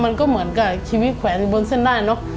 มันก็เหมือนกับชีวิตแขวนอยู่บนเส้นได้เนอะ